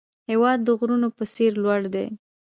هېواد د غرونو په څېر لوړ دی.